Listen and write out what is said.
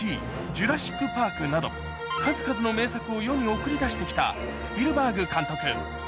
『ジュラシック・パーク』など数々の名作を世に送り出して来たスピルバーグ監督